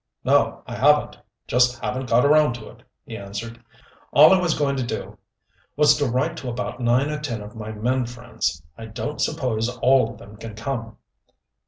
"No, I haven't just haven't got around to it," he answered. "All I was going to do was to write to about nine or ten of my men friends. I don't suppose all of them can come."